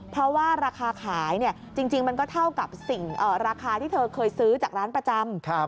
เพราะว่าราคาขายจริงมันก็เท่ากับสิ่งราคาที่เธอเคยซื้อจากร้านประจำ